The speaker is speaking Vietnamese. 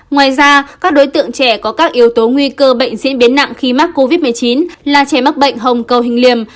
ngoài ra các đối tượng trẻ có các yếu tố nguy cơ bệnh diễn biến nặng khi mắc covid một mươi chín là trẻ mắc bệnh hồng cầu hình liềm